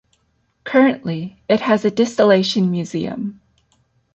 Currently it has a distillation museum.